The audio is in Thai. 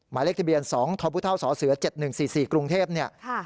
หมายเลขทะเบียน๒ทพศ๗๑๔๔กรุงเทพเนี่ย